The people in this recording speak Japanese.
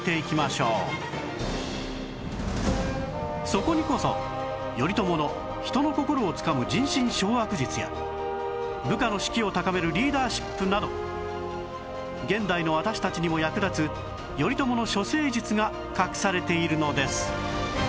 そこにこそ頼朝の人の心をつかむ人心掌握術や部下の士気を高めるリーダーシップなど現代の私たちにも役立つ頼朝の処世術が隠されているのです